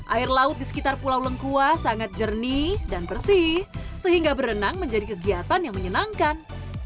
air laut di sekitar pulau lengkua sangat jernih dan bersih sehingga berenang menjadi kegiatan yang menyenangkan